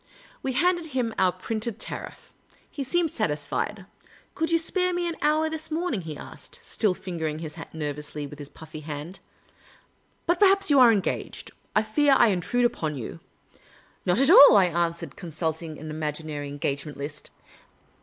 We handed him our printed tariff. He seemed satisfied. *' Could you spare me an hour this morning? " he asked, still fingering his hat nervously with his puffy hand. " But perhaps you are engaged. I fear I intrude upon you." " Not at all," I answered, consulting an imaginary en gagement list.